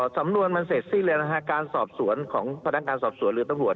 สำนวนมันเสร็จสิ้นเลยนะฮะการสอบสวนของพนักงานสอบสวนหรือตำรวจ